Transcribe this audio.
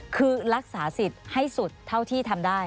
คือรักษาสิทธิ์ให้สุดเท่าที่ทำได้